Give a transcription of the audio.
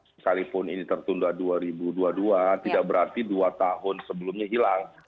sekalipun ini tertunda dua ribu dua puluh dua tidak berarti dua tahun sebelumnya hilang